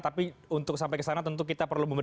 tapi untuk sampai ke sana tentu kita perlu